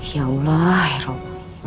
ya allah rob